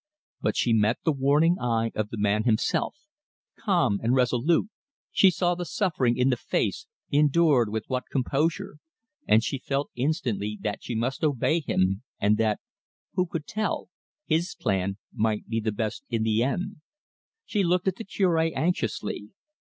But she met the warning eye of the man himself, calm and resolute, she saw the suffering in the face, endured with what composure! and she felt instantly that she must obey him, and that who could tell? his plan might be the best in the end. She looked at the Cure anxiously.